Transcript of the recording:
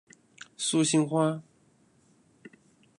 素兴花